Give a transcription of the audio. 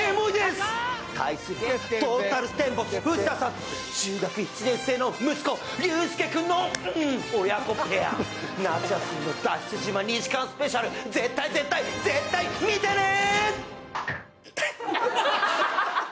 ハウステンボスの藤田さん、中学生の息子との親子ペア、夏休みの「脱出島２時間スペシャル」、絶対絶対絶対、見てねーっ！